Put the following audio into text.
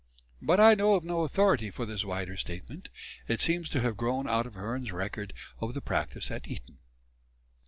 But I know of no authority for this wider statement; it seems to have grown out of Hearne's record of the practice at Eton.